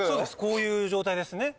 こういう状態ですね